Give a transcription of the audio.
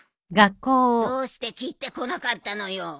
どうして切ってこなかったのよ。